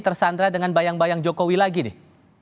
tersandar dengan bayang bayang jokowi lagi nih